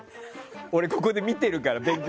俺、ここで見てるから。